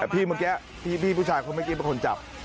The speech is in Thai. พี่เมื่อค่ะพี่ชายเขากันมาจับ